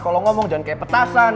kalau ngomong jangan kayak petasan